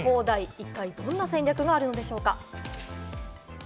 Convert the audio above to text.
一体どんな戦略があるのでしょうか？